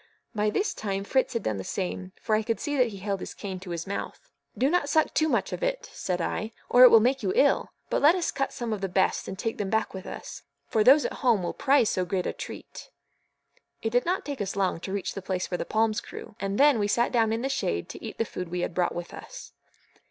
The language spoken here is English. By this time Fritz had done the same, for I could see that he held his cane to his mouth. "Do not suck too much of it," said I, "or it will make you ill; but let us cut some of the best and take them back with us, for those at home will prize so great a treat." It did not take us long to reach the place where the palms grew, and then we sat down in the shade to eat the food we had brought with us.